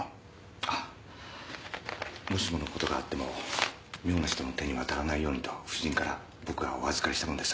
あっもしものことがあっても妙な人の手に渡らないようにと夫人から僕がお預かりしたものです。